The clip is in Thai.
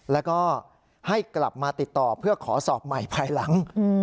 แล้วก็ให้กลับมาติดต่อเพื่อขอสอบใหม่ภายหลัง